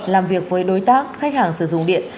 làm việc với đối tác khách hàng sử dụng điện